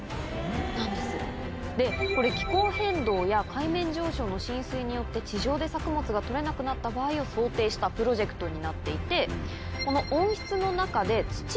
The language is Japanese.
これ気候変動や海面上昇の浸水によって地上で作物が取れなくなった場合を想定したプロジェクトになっていてこの。